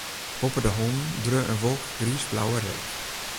Boppe de hollen dreau in wolk griisblauwe reek.